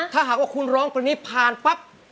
ถ้าหากว่าคุณร้องคนนี้ผ่านปั๊บ